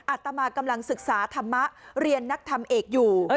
อาตมากำลังศึกษาธรรมะเรียนนักทำเอกอยู่